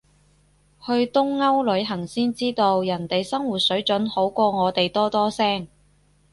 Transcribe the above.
去東歐旅行先知道，人哋生活水準好過我哋多多聲